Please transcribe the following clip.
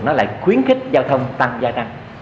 nó lại khuyến khích giao thông tăng gia tăng